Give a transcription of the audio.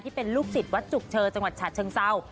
ที่เป็นลูกศิษย์วัดจุกเชอจังหวัดฉะเชิงเศร้า